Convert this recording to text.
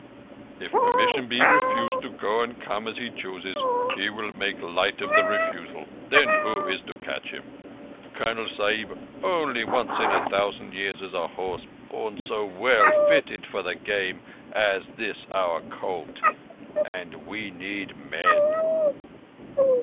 "If permission be refused to go and come as he chooses, he will make light of the refusal. Then who is to catch him? Colonel Sahib, only once in a thousand years is a horse born so well fitted for the game as this our colt. And we need men."